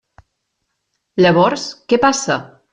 Llavors, ¿què passa?